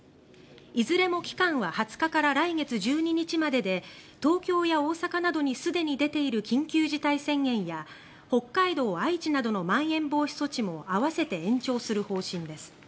いずれも期間は２０日から来月の１２日までで東京や大阪などにすでに出ている緊急事態宣言や北海道、愛知などのまん延防止措置も併せて延長する方針です。